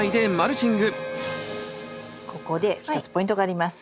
ここで一つポイントがあります。